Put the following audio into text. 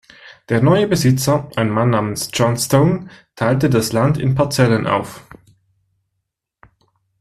Der neue Besitzer, ein Mann namens Johnstone, teilte das Land in Parzellen auf.